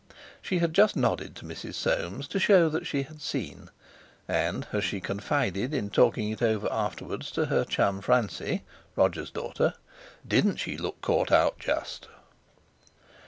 She had just nodded to Mrs. Soames, to show her that she had seen; and, as she confided, in talking it over afterwards, to her chum Francie (Roger's daughter), "Didn't she look caught out just?..."